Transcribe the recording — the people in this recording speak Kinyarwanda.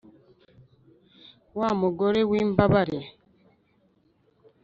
wa mugore w ‘imbambare